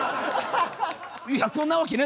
いやそんなわけねえ